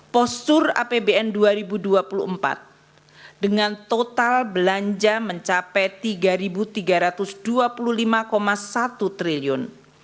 postur apbn dua ribu dua puluh empat dengan total belanja mencapai rp tiga tiga ratus dua puluh lima satu triliun